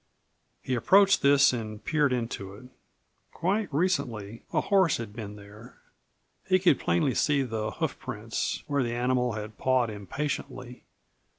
He approached this and peered into it. Quite recently a horse had been there. He could plainly see the hoof prints where the animal had pawed impatiently.